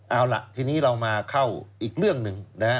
เอาล่ะทีนี้เรามาเข้าอีกเรื่องหนึ่งนะฮะ